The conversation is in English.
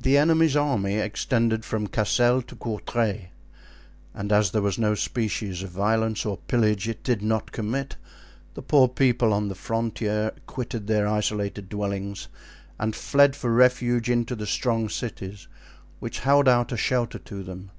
The enemy's army extended from Cassel to Courtray; and as there was no species of violence or pillage it did not commit, the poor people on the frontier quitted their isolated dwellings and fled for refuge into the strong cities which held out a shelter to them.